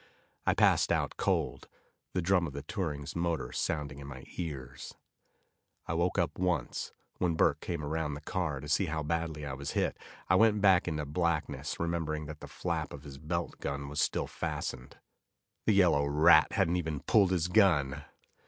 I passed out cold, the drum of the touring's motor sounding in my ears. I woke up once, when Burke came around the car to see how badly I was hit. I went back into blackness remembering that the flap to his belt gun was still fastened. The yellow rat hadn't even pulled his gun!